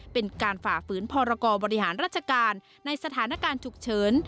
ฝ่าฝืนพรกรบริหารราชการในสถานการณ์ฉุกเฉิน